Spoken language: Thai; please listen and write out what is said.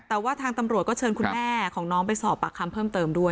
แต่ว่าทางตำรวจก็เชิญคุณแม่ของน้องไปสอบปากคำเพิ่มเติมด้วย